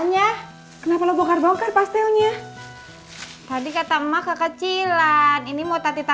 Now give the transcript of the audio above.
yang rusaknya saya bawa juga ya